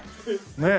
ねえ。